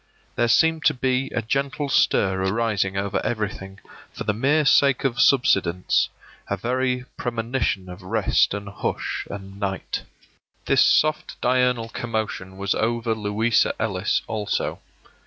There seemed to be a gentle stir arising over everything for the mere sake of subsidence — a very premonition of rest and hush and night. This soft diurnal commotion was over Louisa Ellis also.